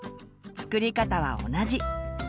作り方は同じ。